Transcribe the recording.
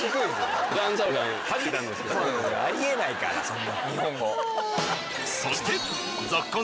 ありえないからそんな日本語。